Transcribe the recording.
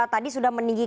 tadi sudah meninggikan air